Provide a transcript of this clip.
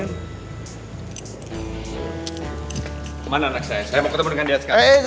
kemana anak saya saya mau ketemu dengan dia sekarang